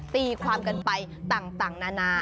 ตีความกันไปต่างนานา